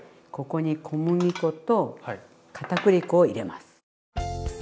ここに小麦粉とかたくり粉を入れます。